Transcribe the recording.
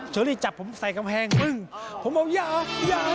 เฉียวที่จับผมใส่กับแพงมึงผมบอก